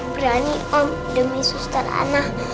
berani om demi suster aneh